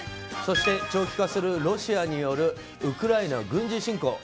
そして長期化するロシアによるウクライナ軍事侵攻。